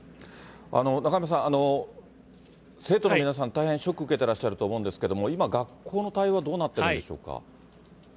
中山さん、生徒の皆さん、大変ショック受けてらっしゃると思うんですけれども、今、学校の対応はどうなってるんでしょうか。